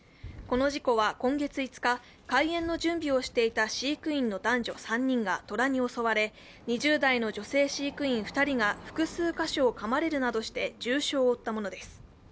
この事故は今月５日、開園の準備をしていた飼育員の男女３人が虎に襲われ２０代の女性飼育員２人が複数箇所をかまれるなどして重傷を負ったものです。